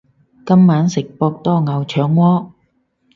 今晚食博多牛腸鍋